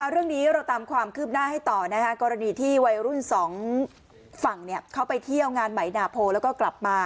เรื่องนี้เราตามความคืบหน้าให้ต่อกรณีที่วัยรุ่นสองฝั่งเขาไปเที่ยวงานใหม่นาโพแล้วก็กลับมา